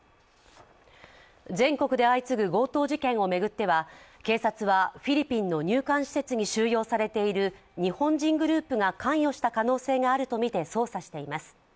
全国で相次ぐ強盗事件を巡ってはフィリピンの入管施設に収容されている日本人グループが関与した可能性があるとみて捜査しています。